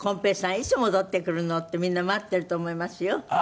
いつ戻ってくるのってみんな待ってると思いますよ。